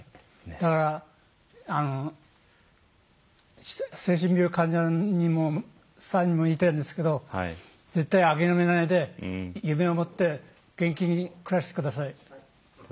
だから、精神病患者さんにも言いたいですけども絶対諦めないで夢を持って元気に暮らしてください。